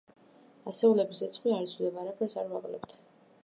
ასეულების რიცხვი არ იცვლება, არაფერს არ ვაკლებთ.